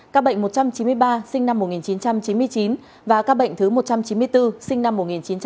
các bệnh một trăm chín mươi ba sinh năm một nghìn chín trăm chín mươi chín và các bệnh thứ một trăm chín mươi bốn sinh năm một nghìn chín trăm chín mươi